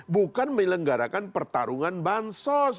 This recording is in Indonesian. bukan menyelenggarakan pertarungan bansos